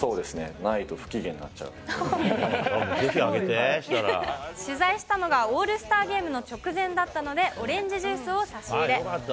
ないと不機嫌に取材したのが、オールスターゲームの直前だったので、オレンジジュースを差し入れ。